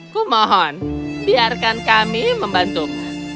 kumohon biarkan kami membantuk